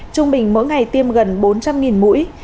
trung bình mỗi ngày tiêm gần bốn trăm linh mũi